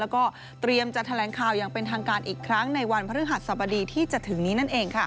แล้วก็เตรียมจะแถลงข่าวอย่างเป็นทางการอีกครั้งในวันพฤหัสสบดีที่จะถึงนี้นั่นเองค่ะ